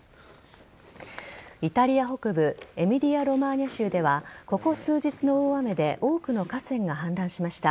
イタリア北部エミリアロマーニャ州ではここ数日の大雨で多くの河川が氾濫しました。